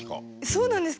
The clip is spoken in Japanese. そうなんですか？